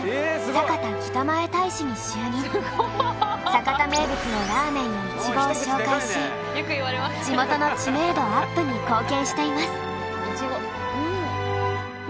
酒田名物のラーメンやいちごを紹介し地元の知名度アップに貢献しています。